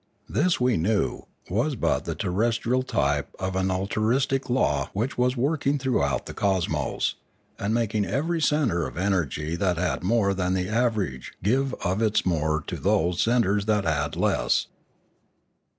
This, we knew, was but the terrestrial type of an al truistic law which was working throughout the cosmos, and making every centre of energy that had more than the average give of its more to those centres that had less.